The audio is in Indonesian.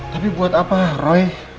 tapi buat apa roy